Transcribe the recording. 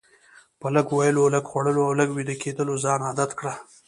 په لږ ویلو، لږ خوړلو او لږ ویده کیدلو ځان عادت کړه.